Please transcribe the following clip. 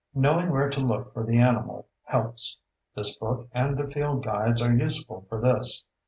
Knowing where to look for the animals helps; this book and the field guides are useful for this.